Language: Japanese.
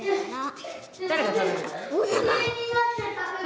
誰が食べるの？